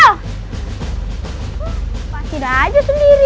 lepaskan aja sendiri